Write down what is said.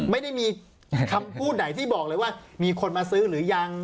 ไม่ได้มีคำพูดไหนที่บอกเลยว่ามีคนมาซื้อหรือยัง